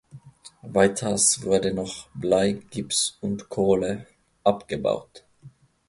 Weiters wurde noch Blei, Gips und Kohle abgebaut.